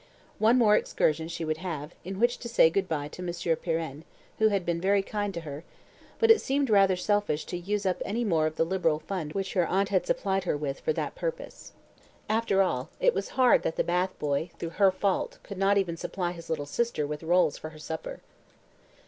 One more excursion she would have, in which to say good bye to Monsieur Pirenne, who had been very kind to her; but it seemed rather selfish to use up any more of the liberal fund which her aunt had supplied her with for that purpose. After all, it was hard that the bath boy, through her fault, could not even supply his little sister with rolls for her supper.